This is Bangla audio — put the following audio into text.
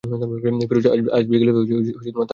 ফিরোজ আজ বিকেলে তাঁর কাছে আসবে।